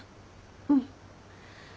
うん。